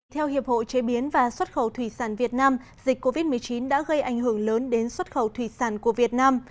theo hiệp hội chế biến và xuất khẩu thủy sản việt nam dịch covid một mươi chín đã gây ảnh hưởng lớn đến xuất khẩu thủy sản của việt nam